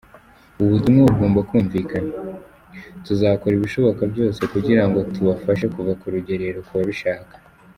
Ubu butumwa bugomba kumvikana: Tuzakora ibishoboka byose kugira ngo tubafashe kuva kurugerero ku babishaka.